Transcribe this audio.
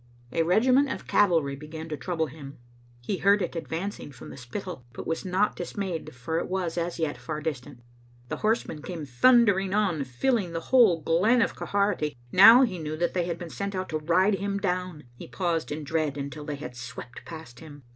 A regiment of cavalry began to trouble him. He heard it advancing from the Spittal, but was not dis mayed, for it was, as yet, far distant. The horsemen came thundering on, filling the whole glen of Quharity. Now he knew that they had been sent out to ride him down. He paused in dread, until they had swept past him.